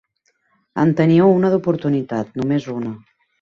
En tenia una d'oportunitat, només una.